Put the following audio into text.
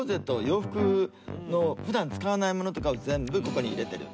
洋服の普段使わないものとかを全部ここに入れてる。